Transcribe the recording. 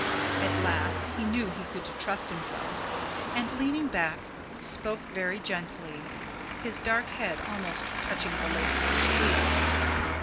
At last he knew he could trust himself, and, leaning back, spoke very gently, his dark head almost touching the lace of her sleeve.